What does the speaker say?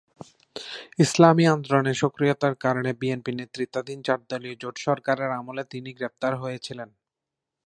ইসলামি আন্দোলনে সক্রিয়তার কারণে বিএনপি নেতৃত্বাধীন চারদলীয় জোট সরকারের আমলে তিনি গ্রেফতার হয়েছিলেন।